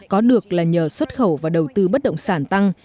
có được là nhờ xuất khẩu và đầu tư bất động sản tăng